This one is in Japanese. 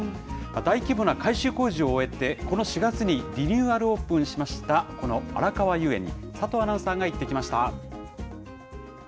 大規模な改修工事を終えて、この４月にリニューアルオープンしましたこのあらかわ遊園に、佐藤アナウンサーが行ってきました。